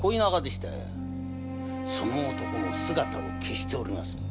その男も姿を消しております。